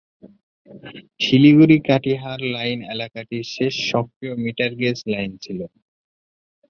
Siliguri-Katihar line এলাকাটির শেষ সক্রিয় metre gauge line ছিল।